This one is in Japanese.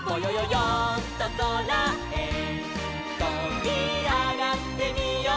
よんとそらへとびあがってみよう」